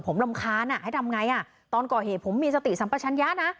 ผมรำคาญให้ทำไงตอนเกราะเหตุผมมีสติสัมปัชญญานะ